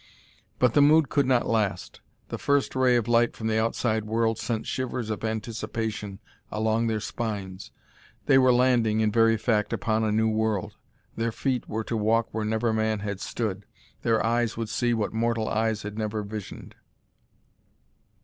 But the mood could not last: the first ray of light from the outside world sent shivers of anticipation along their spines. They were landing, in very fact, upon a new world; their feet were to walk where never man had stood; their eyes would see what mortal eyes had never visioned.